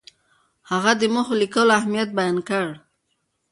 هغه د موخو لیکلو اهمیت بیان کړ.